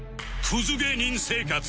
クズ芸人生活